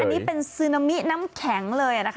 อันนี้เป็นซึนามิน้ำแข็งเลยนะคะ